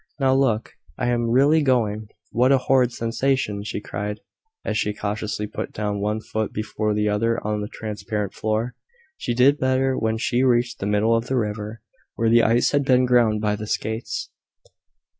Now, look I am really going. What a horrid sensation!" she cried, as she cautiously put down one foot before the other on the transparent floor. She did better when she reached the middle of the river, where the ice had been ground by the skates.